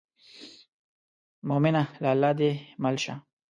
مومنه له الله دې مل شي.